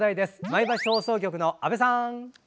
前橋放送局の阿部さん！